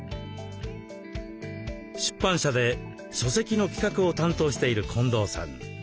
出版社で書籍の企画を担当している近藤さん。